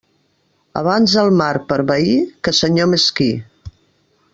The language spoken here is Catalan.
Abans el mar per veí que senyor mesquí.